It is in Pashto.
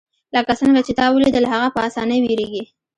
لکه څنګه چې تا ولیدل هغه په اسانۍ ویریږي